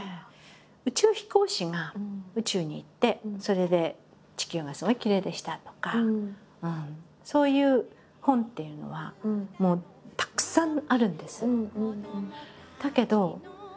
宇宙飛行士が宇宙に行ってそれで地球がすごいきれいでしたとかそういう本っていうのはもうたくさんあるんです。